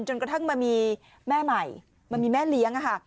จนกระทั่งมันมีแม่ใหม่มันมีแม่เลี้ยงอะค่ะ